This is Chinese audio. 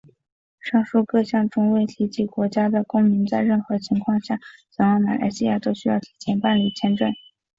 上述各项中未提及国家的公民在任何情况下前往马来西亚都需要提前办理签证。